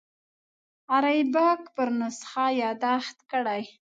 غریبک پر نسخه یاداښت کړی.